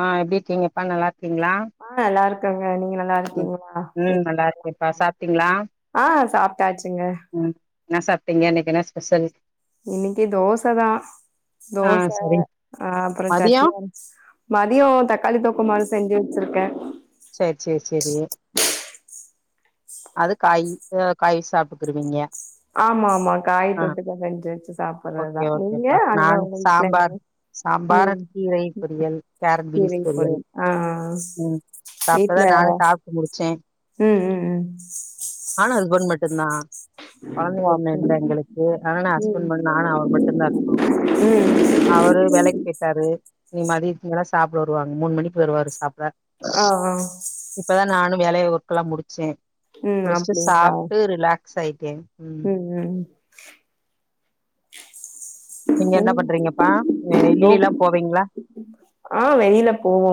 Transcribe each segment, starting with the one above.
ஆ எப்டி இருக்கீங்கப்பா நல்லா இருக்கீங்களா ஆ நல்லா இருக்கங்க நீங்க நல்லா இரு ம் க்கீங்களா ம் நல்லா இருக்கேன்ப்பா சாப்ட்டீங்களா ஆ சாப்ட்டாச்சுங்க என்னா சாப்பிட்டீங்க இன்னிக்கு என்னா ஸ்பெஷல் இன்னிக்கு தோசதா ஆ தோச சரி ஆ அப்பறோ மதியோ சட்னி அ மதியோ தக்காளி தொக்குமாறி செஞ்சு வச்சிருக்கே சேரி சேரி சேரி அது காயி ஆ காய் சாப்புக்குருவீங்க ஆமாமா காய் தொட்டுக்க செஞ்சு வச்சு சாப்படுறதுதா ஓகே நீங்க ஓகேப்பா அங்க நான் உங்க வீட்டுல சாம்பார் என்ன சாம்பார் ம் கீரை பொரியல் கேரட் கீரை பீன்ஸ் பொரியல் ஆ ஆ, ஆ. ம் சா வீட்ல இப்பதா நானு சாப்ட்டு முடிச்சே ம் ம் ம் நானு அஸ்பன்ட் மட்டுந்தா ஓ கொழந்தைங்க இன்னு அப்டி இல்ல எங்களுக்கு ஆனா நா ம் ஹஸ்பண்ட் ம நானு அவர் மட்டுந்தா இருக்கோ ம் காரு இன்னிக்கு மதியத்துக்கு மேல சாப்ட வருவாங்க மூணு மணிக்கு வருவாரு சாப்ட ஆ ஆ இப்பதா நானு வேலய ஒர்க்கெல்லா முடிச்சே ம் முடிச்சிட்டு அப்டிங்களா சாப்ட்டு ரிலாக்ஸ் ஆயிட்டே ம் ம் நீங்க என்ன நீங் பண்றீங்கப்பா ம் ஓ வெளிளெல்லா போவீங்களா ஆ வெளியில போவோ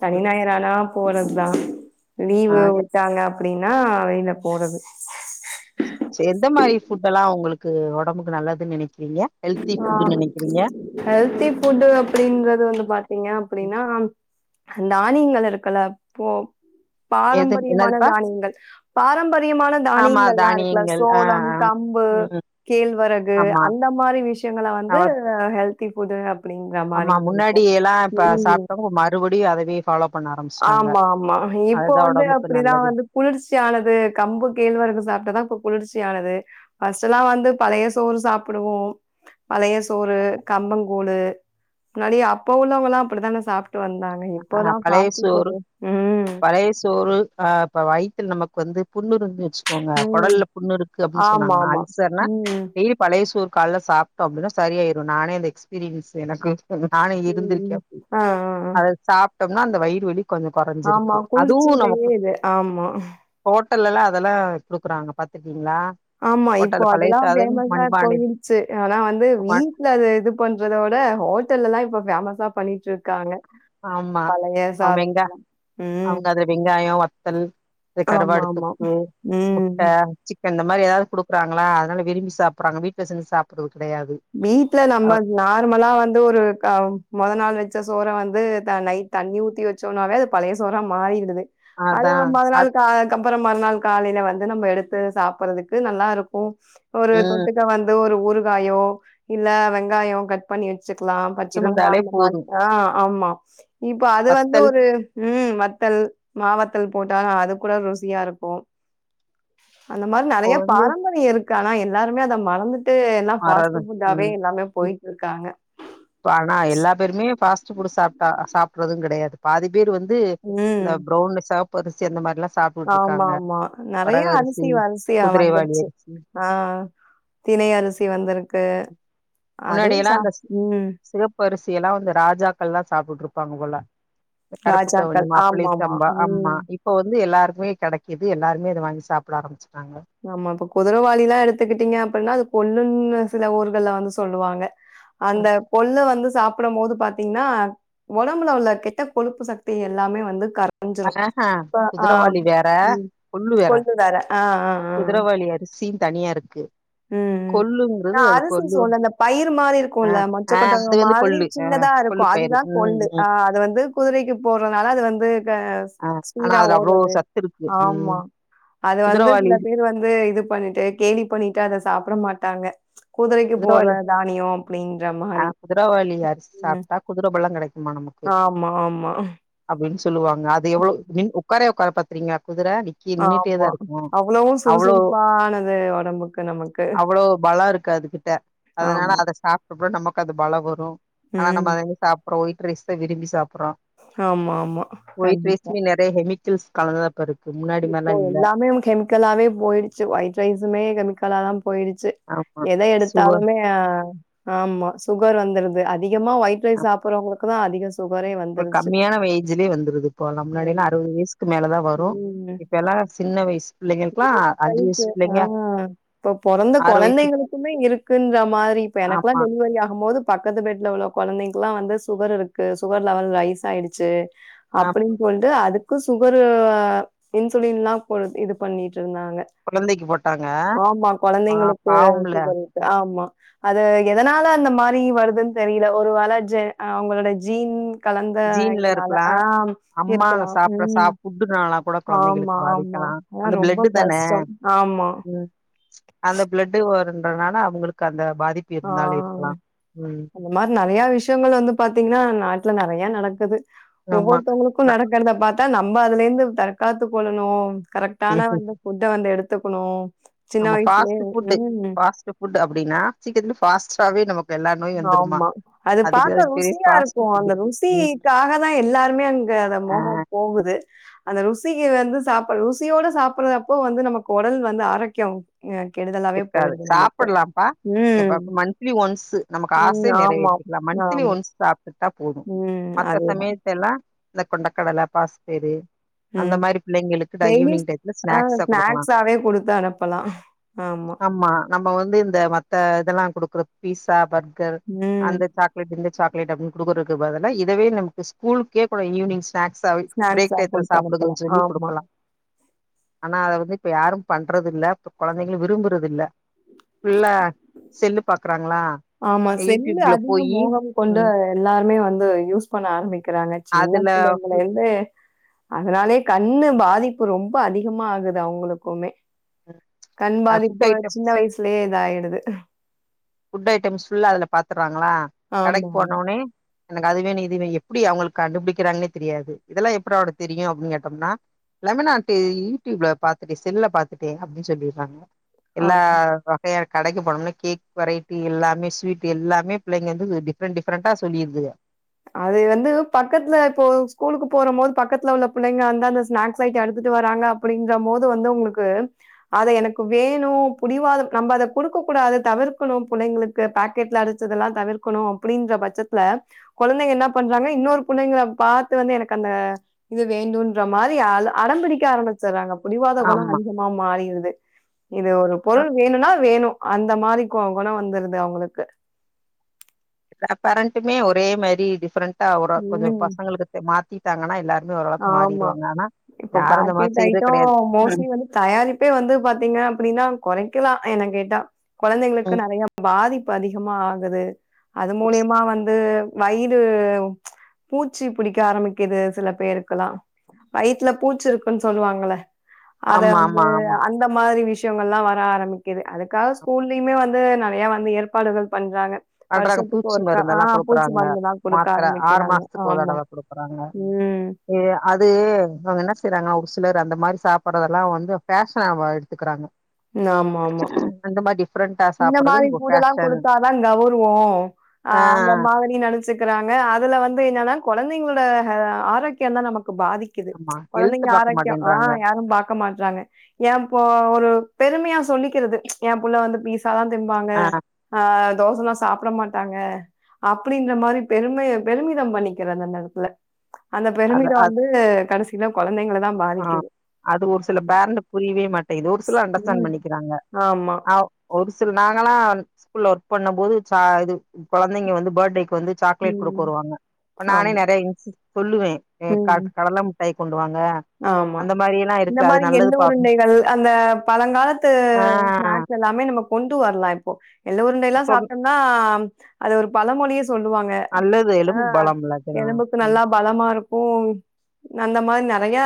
சனி ஞாயறானா போறதுதா ஆ லீவு வுட்டாங்க அப்டினா வெளில போறது சேர் எந்த மாரி ஃபுட்டல்லா உங்களுக்கு ஒடம்புக்கு நல்லதுன் நெனைக்கிறீங்க ஹெல்தி ஆ ஃபுட்டுன்னு நெனைக்கிறீங்க ஹெல்த்தி ஃபுட்டு அப்டிங்கறது வந்து பாத்தீங்க ம் அப்டினா தானியங்கள் இருக்குல இப்போ எது பாரம்பரியமான என்னதுப்பா தானியங்கள் பாரம்பரியமான ஆமா தானியங்கள்லா இருக்குல தானியங்கள் ஆ சோளம் ஆ கம்பு ம் கேழ்வரகு ஆமா அந்த மாரி விஷயங்கள வந்து அவ ஹெல்தி ஃபுட்டு அப்டின்ற ஆமா மாரி முன்னாடி இருக்கு எல்லா இப்ப ம் சாப்ட்டவுங்க மறுபடியு அதவே ஃபாலோ பண்ண ஆரம் ஆமாமா இப்ப வந்து அப்டிதா நல்லது வந்து குளுர்ச்சியானது கம்பு கேழ்வரகு சாப்ட்டாதா இப்ப குளுர்ச்சியானது ஃபஸ்ட்லா வந்து பழைய சோறு சாப் புடுவோ பழைய சோறு கம்பங்கூலு முன்னாடி அப்ப உள்ளவங்கல்லா அப்டித்தான சாப்ட்டு வந்தாங்க ஆ இப்பதா பழைய ஃபாஸ்டு சோறு ஃபுட்டு ம் பழைய சோறு ஆ இப்ப வயித்துல நமக்கு வந்து புண்ணுருந்து வச்சு கோங்க ம். கொடல்ல புண்ணு இருக்கு அப்டின் சொன்னாங்கனா ஆமாமா. அல்சர்னா ம். டெய் பழைய சோறு காலேல சாப்ட்டோ அப்டினா சரியாயிறு நானே அந்த எக்ஸ்பீரியன்ஸ் எனக்கு நானே இருந்திருக்கே ம். அப்டி ஆ ஆ ஆ சாப்ட்டம்னா அந்த வயிறு வலி கொஞ்சோ ஆமா. கொறஞ்சுருக்கு அதுவு குளிர்ச்சியிலயே நமக்கு இது. ஆமா. ஹோட்டல்லல்லா அதல்லா குடுக்குறாங்க பாத்துருக்கீங்களா ஆமா இப்போ ஹோட்டல்ல பழைய அதலா சாதம் பேமஸா மண்பானை போயிறுச்சு ஆனா வந்து வீ மண் ட்ல அது இது பண்றத விட ஹோட்டல்லல்லா இப்ப பேமஸா பண்ணிட்ருக்காங்க ஆமா அவய்ங்க ம். அவுங்க அத வெங்காயோ வத்தல் இந்த கருவாடு ஆமாமா. தொக்கு ம். முட்ட சிக்கன் இந்த மாரி எதையாவது குடுக்குறாங்களா அதுனால விரும்பி சாப்புற்றாங்க வீட்ல செஞ்சு சாப்புற்றது கெடையாது வீட்ல நம்ம அ நார்மலா வந்து ஒரு க மொத நாள் வச்ச சோற வந்து த நைட் தண்ணி ஊத்தி வச் சோனாவே அது பழைய சோறா மாறிடுது அத அதா அ மறுநாள் கா அதுக்கப்பறம் மறுநாள் காலேல வந்து நம்ம எடுத்து சாப்பற்றதுக்கு நல்லாருக்கு ஒரு ம் தொட்டுக்க வந்து ஒரு ஊறுகாயோ இல்ல வெங்காயோ கட் பண்ணி வச்சுக்கலாம் பச்ச மொளகா இருந்தாலே அந்த போது மாதி அ ஆமா இப்ப அது வந்து வத்தல் ஒரு ம் வத்தல் மாவத்தல் போட்டாலு அது கூட ருசியா இருக்கு அந்த மாரி இப்போ நெறைய வந்து பாரம்பரியம் இருக்கு ஆனா எல்லாருமே அத மறந்துட்டு ஆறாது இதாவே எல்லாமே போயிட்ருக்காங்க இப்ப ஆனா எல்லா பேருமே ஃபாஸ்ட்டு ஃபுட்டு சாப்டா சாப்புற்றது கெடையாது பாதி பேர் வந்து ம். இந்த ப்ரௌனி சாப் ப்பரிசி அந்த மாரிலா ஆமா, சாப்டுட்ருக்காங்க ஆமா. நெறைய வரக அரிசி குதிரைவாளி வந்துருச்சு. அரிசி ஆ தினை அரிசி வந்துருக்கு அதுவு சாப் ம் ப்பரிசியல்லா வந்து ராஜாக்கள்ல்லா சாப்டுட்ருப்பாங்க போல கருப்பு கவுனி ராஜாக்கள். மாப்பிள்ளை ஆமாமா. சம்பா அம்மா ம். இப்போ வந்து எல்லாருக்குமே கெடைக்கிது எல்லாருமே இத வாங்கி சாப்புட ஆரம்புச்சுட்டாங்க ஆமா இப்ப குதுரவாளிலா எடுத்துக்கிட்டீங்க அப்பின்னா அது கொல்லுன்னு சில ஊர்கள்ல வந்து சொல்லுவாங்க அந்த கொல்லு வந்து சாப் ப்டம் போது பாத்தீங்கன்னா ஒடம்புல உள்ள கெட்ட கொழுப்பு சக்தி எல்லாமே வந்து கர அஞ்சிரு ஆஹா அப்ப ஆஹ் குதிரவாளி வேற ம் கொள்ளு வேற கொச்ச நேர ஆஹ் ஆஹ் குதிரவாளி அரிசியு தனியா இருக்கு ம் கொள்ளுங்கிறது நா அது அரிசி கொள்ளு சொல்ல இந்த பயிர் மாரி ஆ இருக்கும்ல்ல மொச்சை ஆ பட்டாணி அது வந்து மாரி கொள்ளு ஆ சின்னதா இருக்கு கொள்ளு பயிறு அதுதா ம் கொள்ளு ம் ஆஹ் அது வந்து குதிரைக்கு போடுறதுனால அது வந்து ஆ ஆனா ஸ்பீடா அதுல அவ்ளோ ஓடுறாது சத்து இருக்கு ம் ஆமா வந்து குதிரவாளி சில இது வந்து இத பண்ணிட்டு கேளி பண்ணிட்டு அத சாப்பிட மாட்டாங்க குதிரைக்கு போடுற குதிரவாளி தானிய அப்டின்ற ஆ மாரி குதிரவாளி அரிசி ம் சாப்ட்டா குதிர பலோ ஆமா ஆமா அப்படின்னு சொல்லுவாங்க அது எவ்வளு ம். உட்காரே வே உக்ராது பாத்துறீங்களா குதிரை நீ நீனுட்டேதா ஆமா. இருக்குமோ அவ்வளவும் அவ்வளோ சுறுசுறுப்பானது உடம்புக்கு நமக்கு. அவ்வளோ பலம் இருக்கு அதுகிட்ட அதனால ஆமா. அத சாப்பிட்டப்பட நமக்கு அது பலவருஆனா ம். நம்ம சாப்றோ ஹபிரிஸ்சா விரும்பி சாப்பறோ ஆமா ஆமா கண்டிப்பா ஹெமிக்கல்ஸ் கலந்த பாரு இப்போ எல்லாமே கெமிக்கலாவே போயிடுச்சு ஒயிட் ரைஸுமே கெமிக்கலாதா போயிடுச்சு ஆமா எத எடுத்து சுகர் பாலுமே ஆமா சுகர் வந்துருது அதிகமா ஒயிட் ரைஸ் சாப்படுறவங்களுக்கு தா அதிக சுகரே வந்து ஒரு கம்மியான ஏஜ்லயே வந்துது இப்ப லா முன்னாடியிலா ஆமா அறுபது வயசுக்கு மேலே தா வரு ப்ரோ இப்ப எல்லா சின்ன வயசு ப்ரோ [unintelligible] க ஆஹ் இப்ப பிறந்த ஆறு வயசு குழந்தைங்களுக்குமே இருக்குன்ற மாரி இப்ப எனக்கெல்லா ஆமா டெலிவரி ஆகு போது பக்கத்து பெட்டல உள்ள குழந்தைங்கெல்லா வந்து சுகர் இருக்கு சுகர் லெவல் ரைஸ் ஆயிருச்சு ஆ அப்டின்னு சொல்லிட்டு அதுக்கு சுகர் இன்சுலின் லா போ இது பண்ணிட்டு இருந்தாங்க கொழந்தைக்கு போட்டாங்க ஆமா பா குழந்தைங்களுக்கு பாவம்ல சுகர் இருக்கு ஆமா அது எதனால அந்த மாரி வருதுன்னு தெரியல ஒரு வேல ஜ் அவங்களோட ஜீன் கலந்த ஜீன்ல இதனால இருக்கலா ஆஹ் அம்மாங்க இருக்கலா சாப்ட்ற சா ம் ஃபுட்டுனால கூட கொழந்தைங்களுக்கு ஆமா ஆமா பாதிக்கலா அதா அந்த ரொம்ப பிளட்டு தான கஷ்ட ஆமா அந்த பிளட்டு் வருன்றதுனால அவங்களுக்கு அந்த பாதிப்பு இருந்தாலு ஆஹ் இருக்கலா ம் அந்த மாரி நிறைய விஷயங்கள் வந்து பாத்தீங்கன்னா நாட்டுல நிறைய நடக்குது ஆமா ஒவ்வொருத்தவங்களுக்கு ந நடக்கிறத பாத்தா நம்ம அதுல இருந்து தற்காத்து கொள்ளணு கரெக்ட் தானா வந்து ஃபுட்ட வந்து எடுத்துக்கணு நம்ம பாஸ்ட்டு ஃபுட் பாஸ்ட்டு ஃபுட் அப்டின்னா சீக்கிரமே பாஸ்டாவே ஆமா அது பாக்க பெரிய ருசியா ஃபாஸ்ட் இருக்கு ஃபுட்டு அந்த ம் ருசிக்காக தா எல்லாருமே அந் ஆ என்னமோ போகுது அந்த ருசிக்கு வந்து சாப்ப ருசியோட சாப்புறதுப்போ வந்து நமக்கு உடல் வந்து ஆரோக்கிய ம் கெடுதலாவே இருக்காது போயிடுது நமக்கு ம் மந்திலி ஒன்ஸ் நமக்கு ம். ஆசை ஆமா, நிறைவேத்திகலா மன்த்லி ஆமா. ஒன்ஸ் சாப்டுட்டா போது ம். மத்த அதேதான். சமயத் எல்லா இந்த கொண்டைக்கடல பாசி பயறு ம் டெய்லி ஆஹ் ஸ்நாக்ஸா குடுக்கலா ஸ்நாக்ஸாவே குடுத்த அனுப்பல்லா ஆமா ஆமா நம்ம வந்து இந்த மத்த இதெல்லா குடுக்குற பீஸா பர்கர் ம். அந்த சாக்லேட் இந்த சாக்லேட அப்டின்னு குடுகுறதுக்கு பதில்ல இதுவே நமக்கு ஸ்கூலுக்கே கூட ஈவினிங்ஸ்நாக்ஸ் [unintelligible] பிரேக் ஸ்நாக்ஸா டயத்துல குடுத்து அனுப்பலாம். சாப்டுகனு சொல்லி ஆமா. குடுக்கலா ஆனா அத வந்து இப்ப யாரு பண்றது இல்லா இப்ப குழந்தைங்க விரும்புறது இல்லா ஃபுல்லா செல்லு பாக்குறாங்களா ஆமா செல்ல யூடியூப்ல அதிகம் போயி மோகம் கொண்டு ம் எல்லாருமே வந்து யூஸ் பண்ண ஆரம்பிக்கிறாங்க சின்ன அதுல பிள்ளைங்கல்ல இந்து அதனாலயே கண்ணு பாதிப்பு ரொம்ப அதிகமா ஆகுது அவங்களுக்குமே கண் அ ஃபுட் பாதிப்பு சின்ன ஐட்டம்ஸ் வயசுலயே இத ஆயிடுது ஃபுட் ஐட்டம்ஸ் ஃபுல்லா அதுல பாத்தற்றாங்களா கடைக் ஆமாமா. போனோனே எனக் அதுவேணு இதுவேயு எப்டி அவங்களுக்கு கண்டுபிடிக்கிறாங்னே தெரியாது இதெல்லா எப்றா உனக் தெரியு அப்டின் கேட்டோம்னா எல்லாமே நா டி யூடியூப்ல பாத்துட்டே செல்ல பாத்துட்டே அப்டின் சொல்லிற்றாங்க எல்லா ஆமா. வகைய கடைக்கு போனோம்னா கேக் வெரைட்டி எல்லாமே ஸ்வீட் எல்லாமே பிள்ளைங்க வந்து டிஃப்ரெண்ட் டிஃப்ரெண்ட்டா சொல்லிர்துக அது வந்து பக்கத்துல இப்போ ஸ்கூலுக்கு போற மோது பக்கத்துல உள்ள புள்ளைங்க வந்தா அந்த ஸ்நாக்ஸ் ஐட்ட எடுத்துட்டு வராங்க அப்டிங்க மோது வந்து உங்களுக்கு அத எனக்கு வேணு புடிவாத நம்ம அத குடுக்க கூடாது தவிர்க்கணு புள்ளைங்களுக் பேக்கெட்ல அடிச்சதெல்லா தவிர்கணு அப்டின்ற பட்சத்துல கொழந்தைங்க என்ன பண்றாங்க இன்னொரு புள்ளைங்க பாத்து வந்து எனக்கு அந்த இது வேண்டுன்ற மாதிரி அ அடம்பிடிக்க ஆரம்பிச் சறாங்க புடிவாத கொண ஆமா ஆ அதிகமா மாறிடுது இது ஒரு பொருள் வேணுன்னா வேணு அந்த மாறி கொணோ வந்துருது அவங்களுக்கு பேரண்ட்டுமே ஒரே மாரி டிப்ஃபரண்டா கொஞ்ச ம். பசங்களுக்கு மா த்திட்டாங்கன்னா எல்லாருமே ஓரளவுக் ஆமா. மாறிடுவாங்க ஆனா இப்போ யாரு இந்த மாரி பேக்கெட் செய்றது ஐட்டம் கெடையாது மோஸ்ட்லி வந்து தயாரிப்பே வந்து பாத்தீங்க அப்படின்னா கொறைக்கலா என்ன கேட்டா கொழந்தைங்களுக்கு ம் நறையா பாதிப் அதிகமா ஆகுது அது புதுசு மூலியமா வந்து வயிறு பூச்சி பிடிக்க ஆரம்பிக்குது சில பேருக் கலாம் வயித்துல பூச் இருக்குன் சொல்லுவாங்கள அத ஆமா வந்து ஆமா ஆமா இந்த மாரி விஷ்யங்கள்லாம வர ஆரம்பிக்குது அதுக்காக ஸ்கூல்லயுமே வந்து நறையா வந்து ஏற்பாடுகள் பண்றாங்க பண்றாங்க வருஷத்துக்கு பூச்சி ஒருக்கா ஆ மருந்தெல்லா பூச்சி கொடுக்குறாங்க மருந்துலாம் குடுக்க மாத்திர ஆறு ஆரம்பிக்கிறாங்க. மாஸ்த்துக்கு ஒரு ஆமா. தடவ கொடுக்குறாங்க ம். அது அவங்க என்ன செய்றாங்க ஒரு சிலர் அந்த மாரி சாப்புறதெல்லா வந்து ஃபேஷன்னாவ எடுத்துக்கிறாங்க ன ஆமா ஆமா அந்த மாரி டிப்ரெண்ட்டா இந்த மாரி பூடெல்லா குடுத்தாதா நகுருவோ ஆ அந்த மாரி நனச்சிகிறாங்க அதுல வந்து என்னன்னா குழந்தைங்களோட ஆரோக்கியந்தா நமக்கு பாதிக் கிது ஆமா ஹெல்த் கொழந்தைங்க பாக்க ஆரோக்கியோ ஆ மாட்டேன்றாங்க யாரு பா க்க மாற்றாங்க எ பொ ஒரு பெருமையா சொல்லிக்கிறது எ புள்ள வந்து பீஸ் ல்லா திம்பாங்க ஆ ஆ தோசல்லா சாப்பட மாட்டாங்க அப்டின்ற மாரி பெருமை பெருமிதம் பண்ணிக்கிறாங்க அந்த எடத்துல அந்த அது பெருமித அது வந்து கடைசியில கொழந்தைங்கலதா ஆ அது ஒரு சில பேரண்ட்டு புரியவே மாட்டேங்குது ஒரு சில அண்டர்ஸ்டண்ட் ம். பண்ணிக்கிறாங்க ஆமா. அவ் ஒரு சில நாங்கல்லா ஸ்கூல்ல ஒர்க் பண்ணம் போது ச இது குழந்தைங்க வந்து பர்டேக்கு வந்து சாக்லேட் ம். கொடுக்க வருவாங்க நானே ஆமா. நெறைய சொல்லுவே எ க ம். கடல டாய் கொண்டுவாங்க ஆமா இந்த மாரி எள்ளு அப்டின் உருண்டைகள் அந்த பழங்காலத்து ஆ ஸ்நாக்ஸ் எல்லாமே நம்ம கொண்டு வரலா இப்போ எள்ளு உருண்டைல்லா சொல் சாப்ட்டோம்னா அது ஒரு பல மொழியே சொல்லுவாங்க நல்லது ஆ எலும்புக்கு பலம்ல அதுலா எலும்புக்கு ம் நல்லா பலமா இருக்கு அந்த மாரி நறையா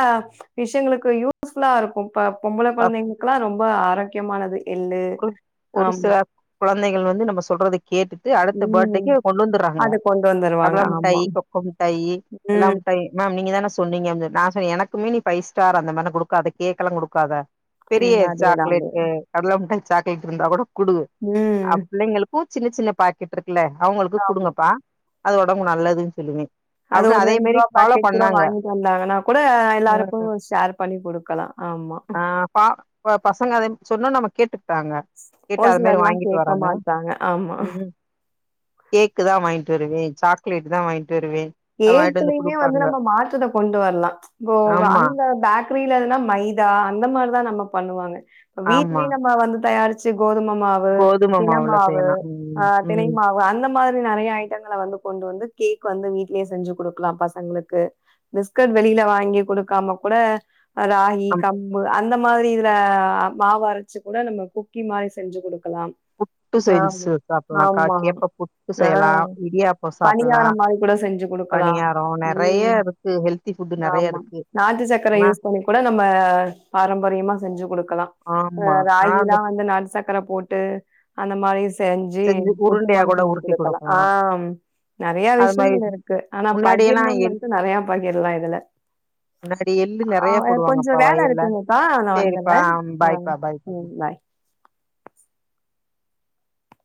விஷ்யங்களுக்கு யூஸ்ஃபுல்லா இருக்கு ப்ப பொம்பள கொழந்தைங்கல்லா ரொம்ப ஆரோக்கியமானது எள்ளு. ஒரு ஒரு ஆமா. சில குழந்தைகள் வந்து நம்ம சொல்றதுக்கு கேட்டுட்டு அடுத்த ம் பர்த்டேக்கு கொண்டு வந்துறாங்க அது கொண்டு வந்துருவாங்க கடள ஆமா. மிட்டாய் கொக்கு மிட்டாயி எல்லா ம், மிட்டாய் மேம் நீங்க தானே சொன்னீங்க நா சொன்ன எனக்குமே நீ பைவ் ஸ்டார் அந்த மாரி குடுக்காது கேக்க எல்லா குடுக்காத பெரிய ம் அதேதா அது. சாக்லேட்டு கடலா முட்டாய் சாக்கேட் இருந்தா கூட குடு அ ம் பிள்ளைங்களுக்கு சின்ன சின்ன பா கட்டு இருக்குல அவங்களுக்கு ஆமா. குடுங்கப்பா அது ஒடம்பு நல்லதுன்னு சொல்லுவே அது அப்டின்னு ஒரு அதே ரெண்டு மாரி ரூபா ஃபாலோ பாக்கெட் கூட பண்ணாங்க வாங்கிட்டு வந்தாங்கன கூட ம் எல்லாருக்கு ஷேர் பண்ணி குடுக்கலா ஆமா ஆ பா பசங்க அத சொன்னு நம்ம கேட்டுக்கிட்டாங்க கேட்டு ஒரு அது மாரி சிலர்லாம் வாங்கிட்டு கேட்க வராங்க மாட்டாங்க. ஆமா. ம் கேக்கு தா வாங்கிட்டு வருவே சாக்லேட் தா வாங்கிட்டு வருவே அது வாங்கிட்டு கேக்குலேயுமே வந்து குடுப்பாங்க நம்ம மாற்றத்த கொண்டு வரலா ம்ச் இப்போ ஆமா அந்த பே பேக்கிரிலனா மைதா அந்த மாரிதா நம்மபண்ணுவாங்க ஆமா வீட்லயே நம்ம வந்து தயாரிச்சு சி கோதும மாவு கோதும தின மாவுல மாவு செய்யலா ஆ ம் தினை ம் மாவு அந்த மாரி நெறைய ஐ விசியங்கள வந்து கொண்டு வந்து கேக் வந்து வீட்டு வீட்டுலேயே செஞ்சு குடுக்கலா பசங்களுக்கு பிஸ்கட் வெளியில வாங்கி குடுக்காம கூட ராகி நம் கம்பு அது அந்த மாரி இதுல மாவு அரைச்சு கூட நம்ம குக்கி மாரி செஞ்சு குடுக்கலா புட்டு ஆம் செஞ்சு சாப்டலாக்கா ஆமா கேப்ப புட்டு ஆ செய்யலா இடியாப்போ சாப்டலா பணியாரோ மாரி கூட செஞ்சுக்கு குடுக்கலா பணியாரோ நெறைய ம் இருக்கு ஹெல்தி ஃபுட் நெறைய ஆமா இருக்கு நாட்டு சக்கர ஆனா யூஸ் பண்ணி கூட நம்ம பாரம்பரியமா செஞ்சு குடுக்கலா ஆமா ஆ அந்த நாட்டு சக்கர போட்டு அந்த மாரி செஞ்சு புட்டு உருண்டையா மாரி கூட செஞ்சு உருட்டி குடுக்கலா ஆ நெறையா அது மாரி விஷயங்கள் இருக்கு ஆனா முன்னாடி எல்லா பகிர்ணுன்னு எள் வந்துட்டு நறையா பகிரலா இதுல முன்னாடி எள்ளு ஆ நெறைய எனக்கு கொஞ்சு போடுவாங்கப்பா வேல வயல்ல இருக்குங்கக்கா நா சேரிப்பா வந்துற்றே ஆ பாய்ப்பா பாய்ப்பா ம் பாய்